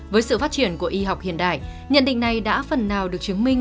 với sự phát triển của y học hiện đại nhận định này đã phần nào được chứng minh